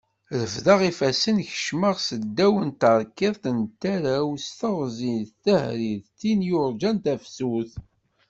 Refdeɣ ifassen kecmeɣ seddaw n tarkiḍṭ n tarawt s teɣzi d tehri n tin yurjan tafsut.